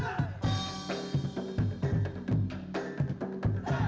antar etnis di kalimantan barat